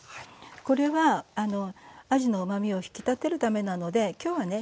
これはあじのうまみを引き立てるためなのできょうはね